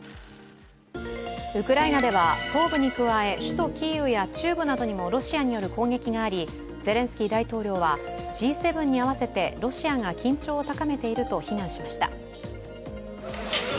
ウクライナでは、東部に加え、首都キーウや中部などにもロシアによる攻撃があり、ゼレンスキー大統領はＧ７に合わせてロシアが緊張を高めていると非難しました。